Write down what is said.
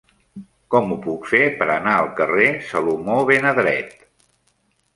Com ho puc fer per anar al carrer Salomó ben Adret